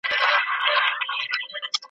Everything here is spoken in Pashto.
د وګړو به سول پورته آوازونه ,